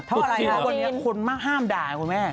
ถ้าว่าไล่ถ้าบนนี้คนมักห้ามด่าคุณแม่